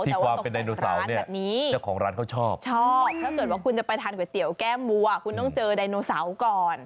แต่ว่าต้องไปร้านแบบนี้ชอบถ้าเกิดว่าคุณจะไปทานก๋วยเตี๋ยวแก้มวัวคุณต้องเจอไดโนเสาร์ก่อน